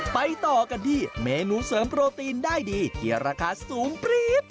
ต่อกันที่เมนูเสริมโปรตีนได้ดีที่ราคาสูงปรี๊ด